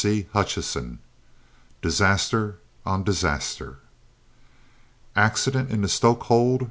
CHAPTER SEVEN. DISASTER ON DISASTER. "Accident in the stoke hold!"